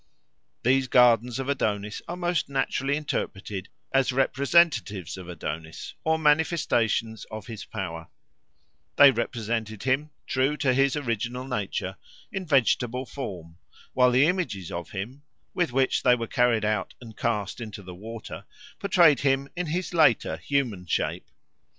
These gardens of Adonis are most naturally interpreted as representatives of Adonis or manifestations of his power; they represented him, true to his original nature, in vegetable form, while the images of him, with which they were carried out and cast into the water, portrayed him in his later human shape.